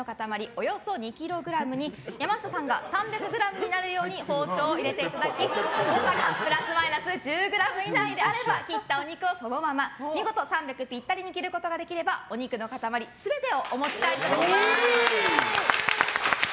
およそ２ｋｇに山下さんが３００ｇになるように包丁を入れていただき誤差がプラスマイナス１０ｇ以内であれば切ったお肉をそのまま見事３００ピッタリに切ることができればお肉の塊全てをお持ち帰りいただけます。